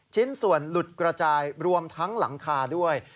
ชิ้นส่วนหลุดกระจายรวมทั้งหลังคาด้วย